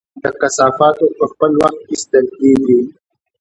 د کثافاتو په خپل وخت ایستل کیږي؟